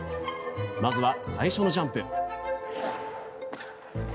まずは最初のジャンプ。